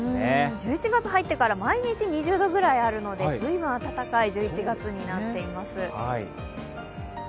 １１月入ってから毎日２０度ぐらいあるので随分暖かい１１月になっています。